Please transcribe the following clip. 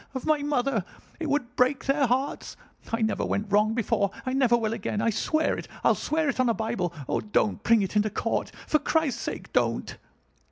Of my mother! It would break their hearts. I never went wrong before! I never will again. I swear it. I'll swear it on a Bible. Oh, don't bring it into court! For Christ's sake, don't!"